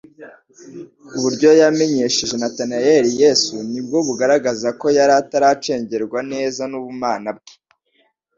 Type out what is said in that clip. Uburyo yamenyesheje Natanaeli Yesu nibwo bugaragaza ko yari ataracengerwa neza n'ubumana bwe,